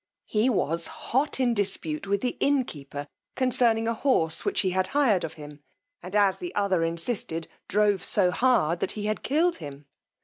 He was hot in dispute with the innkeeper concerning a horse which he had hired of him, and, as the other insisted, drove so hard that he had killed him.